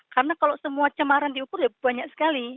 karena kalau semua cemaran diukur ya banyak sekali